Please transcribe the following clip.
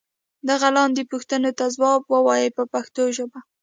دغو لاندې پوښتنو ته ځواب و وایئ په پښتو ژبه.